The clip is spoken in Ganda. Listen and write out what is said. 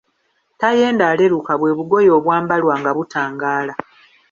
Tayenda aleluka bwe bugoye obwambalwa nga butangaala.